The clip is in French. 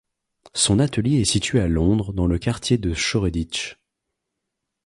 Son atelier est situé à Londres dans le quartier de Shoreditch.